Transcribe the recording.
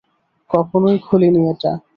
কখনোই খুলিনি এটা।